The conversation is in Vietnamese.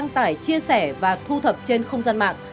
tải chia sẻ và thu thập trên không gian mạng